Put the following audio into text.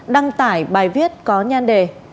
đăng tải bài viết có nhan đề